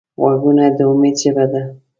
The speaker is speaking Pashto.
غوږونه د امید ژبه ده